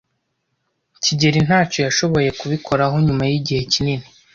kigeli ntacyo yashoboye kubikoraho nyuma yigihe kinini.